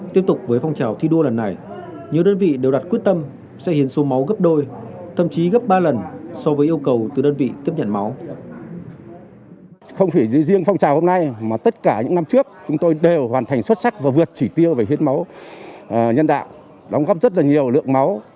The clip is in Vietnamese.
tiếp tục với phong trào thi đua lần này nhiều đơn vị đều đặt quyết tâm sẽ hiến số máu gấp đôi thậm chí gấp ba lần so với yêu cầu từ đơn vị tiếp nhận máu